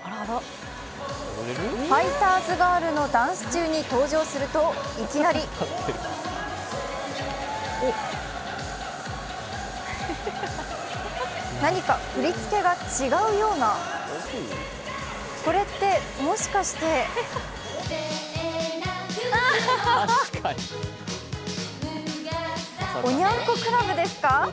ファイターズガールのダンス中に登場するといきなり何か振り付けが違うようなこれって、もしかしておニャン子クラブですか？